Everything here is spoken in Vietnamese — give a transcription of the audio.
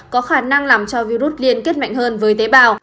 có khả năng làm cho virus liên kết mạnh hơn với tế bào